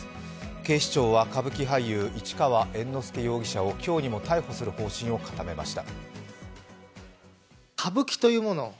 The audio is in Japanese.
警視庁は歌舞伎俳優、市川猿之助容疑者を今日にも逮捕する方針を固めました。